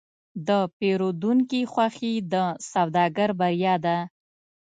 د پیرودونکي خوښي د سوداګر بریا ده.